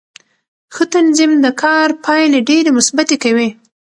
ښه تنظیم د کار پایلې ډېرې مثبتې کوي